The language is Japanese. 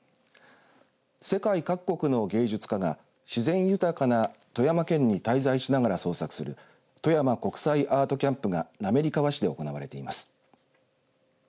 世界各国の芸術家が自然豊かな富山県に滞在しながら創作するとやま国際アートキャンプが滑川市で行われています。